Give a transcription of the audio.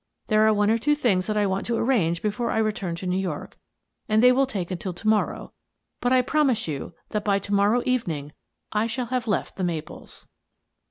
There are one or two things that I want to arrange before I return to New York, and they will take until to morrow, but I promise you that by to morrow evening I shall have left ' The Maples.'